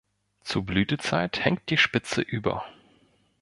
Zur Blütezeit hängt die Spitze über.